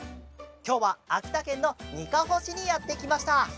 きょうはあきたけんのにかほしにやってきました。